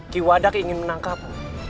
kiwadak ingin menangkapmu